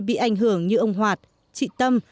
bị ảnh hưởng như ông hoạt chị tâm